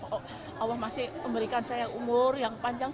allah masih memberikan saya umur yang panjang